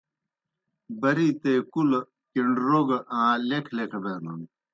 بَرِیتے کُلہ کِݨروگہ آں لیکھہ لیکھہ بینَن۔